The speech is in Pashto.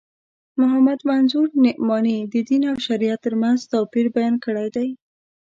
محمد منظور نعماني د دین او شریعت تر منځ توپیر بیان کړی دی.